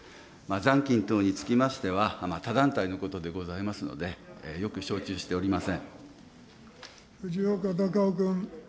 残金等につきましては、他団体のことでございますので、よく承知藤岡隆雄君。